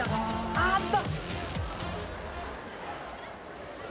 あーっと。